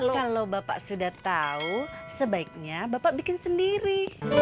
kalo bapak sudah tau sebaiknya bapak bikin sendiri